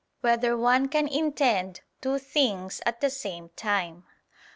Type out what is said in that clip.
3] Whether One Can Intend Two Things at the Same Time?